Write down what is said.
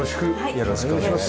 よろしくお願いします。